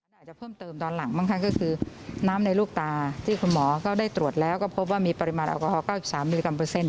อาจจะเพิ่มเติมตอนหลังบ้างค่ะก็คือน้ำในลูกตาที่คุณหมอก็ได้ตรวจแล้วก็พบว่ามีปริมาณแอลกอฮอล๙๓มิลลิกรัมเปอร์เซ็นต